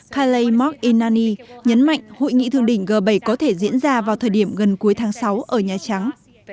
kalei mok inani nhấn mạnh hội nghị thượng đỉnh g bảy có thể diễn ra vào thời điểm gần cuối tháng sáu ở nhà trắng